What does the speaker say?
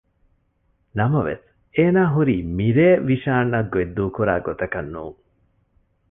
ނަމަވެސް އޭނާ ހުރީ މިރޭ ވިޝާން އަށް ގޮތް ދޫކުރާ ގޮތަކަށް ނޫން